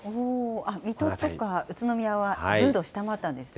水戸とか、宇都宮は１０度を下回ったんですね。